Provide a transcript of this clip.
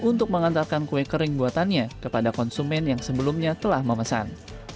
untuk mengantarkan kue kering buatannya kepada konsumen yang sebelumnya telah memesan